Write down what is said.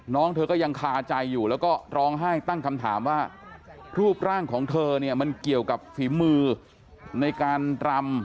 น้องเธอก็ยังคาใจอยู่แล้วก็ร้องไห้ตั้งคำถามว่ารูปร่างของเธอเนี่ยมันเกี่ยวกับฝีมือในการรำ